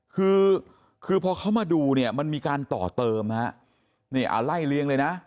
คือคือพอเขามาดูเนี่ยมันมีการต่อเติมฮะนี่เอาไล่เลี้ยงเลยนะ